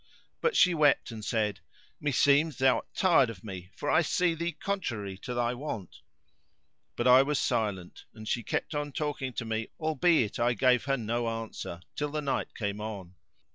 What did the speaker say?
But she wept and said, "Me seems thou art tired of me, for I see thee contrary to thy wont." But I was silent; and she kept on talking to me albeit I gave her no answer, till night came on.